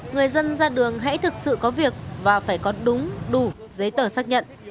người dân ra đường hãy thực sự có việc và phải có đúng đủ giấy tờ xác nhận